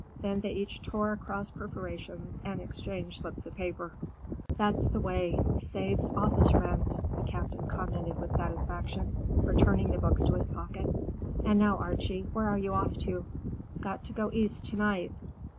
Then they each tore across perforations and exchanged slips of paper. "That's the way. Saves office rent," the Captain commented with satisfaction, returning the books to his pocket. "And now, Archie, where are you off to?" "Got to go East to night.